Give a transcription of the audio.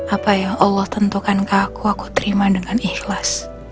apa yang allah tentukan ke aku aku terima dengan ikhlas